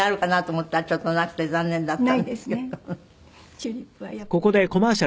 チューリップはやっぱり春。